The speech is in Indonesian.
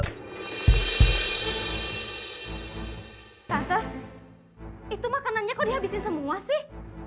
tante itu makanannya kok dihabisin semua sih